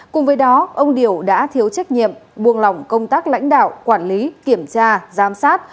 cùng với đó ông điều đã thiếu trách nhiệm buông lỏng công tác lãnh đạo quản lý kiểm tra giám sát